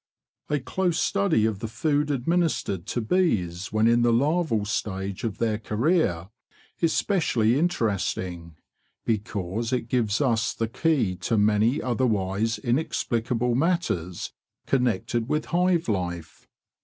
A close study of the food administered to bees when in the larval stage of their career is specially interesting, because it gives us the key to many otherwise inexplicable matters connected with hive life.